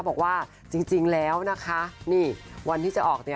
บอกว่าจริงแล้วนะคะนี่วันที่จะออกเนี่ย